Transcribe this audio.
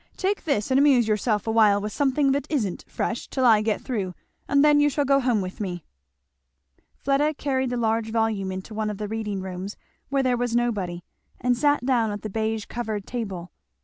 Take this and amuse yourself awhile, with something that isn't fresh, till I get through, and then you shall go home with me." Fleda carried the large volume into one of the reading rooms, where there was nobody, and sat down at the baize covered table.